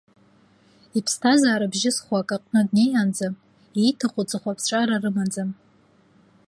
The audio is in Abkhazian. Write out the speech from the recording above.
Иԥсҭазаара бжьызхуа акаҟны днеиаанӡа ииҭаху ҵыхәаԥҵәара рымаӡам.